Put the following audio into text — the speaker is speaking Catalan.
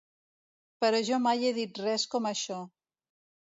Però jo mai he dit res com això.